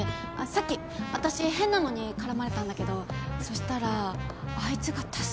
さっきあたし変なのに絡まれたんだけどそしたらあいつが助けてくれて。